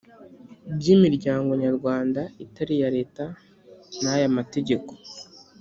By imiryango nyarwanda itari iya leta n aya mategeko